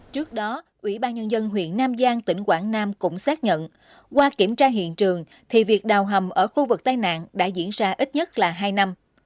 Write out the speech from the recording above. trước đó ủy ban nhân dân huyện nam giang tỉnh quảng nam cũng xác nhận qua kiểm tra hiện trường thì việc đào hầm ở khu vực tai nạn đã diễn ra ít nhất là hai năm